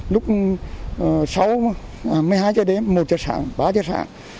lúc sáu một mươi hai giờ đêm